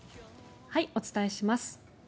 お伝えします。